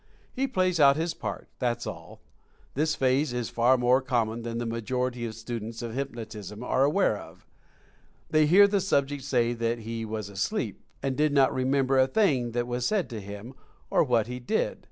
He plays out his part — that's all. This phase is far more common than the majority of students of hyp notism are aware of. They hear the subject say that he was asleep, and did not remember a thing that was said to him, or what he did.